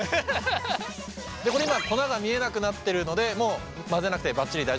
これ今粉が見えなくなってるのでもう混ぜなくてばっちり大丈夫です。